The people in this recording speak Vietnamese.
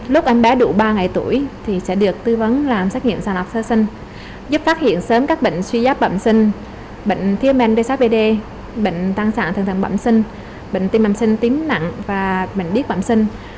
lúc anh bé đủ ba ngày tuổi thì sẽ được tư vấn làm xét nghiệm sàng lọc sơ sinh giúp phát hiện sớm các bệnh suy giáp bẩm sinh bệnh thiên men đê sát bê đê bệnh tăng sản thần thần bẩm sinh bệnh tim bẩm sinh tím nặng và bệnh điếc bẩm sinh